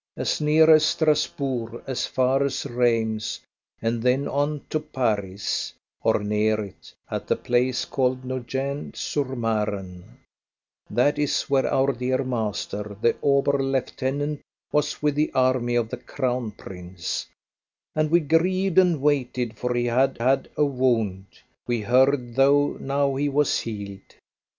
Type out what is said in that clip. As near as Strasbourg, as far as Rheims, and then on to Paris or near it at the place called Nogent sur Marne; that is where our dear master, the ober lieutenant, was with the army of the Crown Prince; and we grieved and waited, for he had had a wound, we heard, though now he was healed.